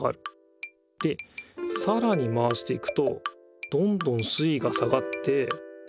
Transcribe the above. でさらに回していくとどんどん水いが下がって。